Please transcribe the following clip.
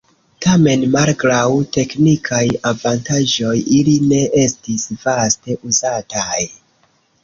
Tamen malgraŭ teknikaj avantaĝoj ili ne estis vaste uzataj.